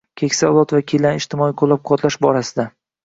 keksa avlod vakillarini ijtimoiy qo‘llab-quvvatlash borasida